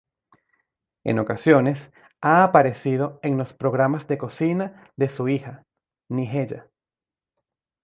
En ocasiones, ha aparecido en los programas de cocina de su hija, Nigella.